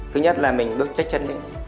thứ nhất là mình bước chết chân